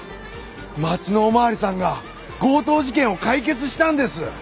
町のお巡りさんが強盗事件を解決したんです！